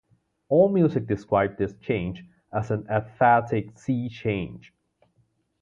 Allmusic described this change as an "aesthetic sea change".